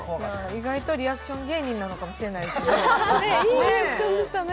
意外とリアクション芸人なのかもしれないですね。